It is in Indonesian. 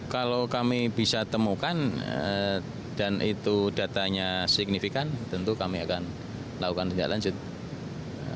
kalau kami bisa temukan dan itu datanya signifikan tentu kami akan melakukan tindaklanjuti